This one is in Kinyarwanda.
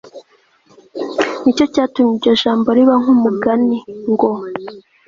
ni cyo cyatumye iryo jambo riba nk'umugani, ngo